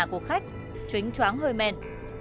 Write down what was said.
của khách tránh chóng hơi men